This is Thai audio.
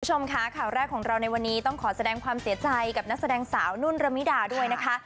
คุณผู้ชมค่ะข่าวแรกของเราในวันนี้ต้องขอแสดงความเสียใจกับนักแสดงสาวนุ่นระมิดาด้วยนะคะ